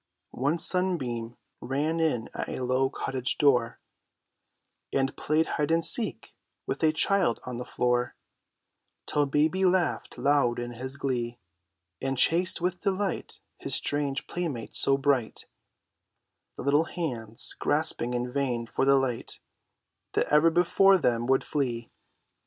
One sunbeam ran in at a low cottage door, And played "hide and seek" with a child on the floor, Till baby laughed loud in his glee, And chased with delight his strange playmate so bright, The little hands grasping in vain for the light That ever before them would flee.